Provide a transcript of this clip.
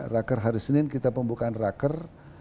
raker hari senin kita pembukaan raker